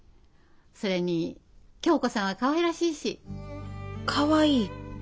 それに響子さんはかわいらしいし。かわいい？